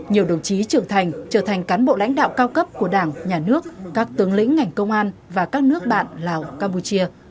nhiều đồng chí trưởng thành trở thành cán bộ lãnh đạo cao cấp của đảng nhà nước các tướng lĩnh ngành công an và các nước bạn lào campuchia